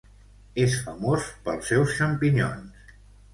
És famós pels seus xampinyons.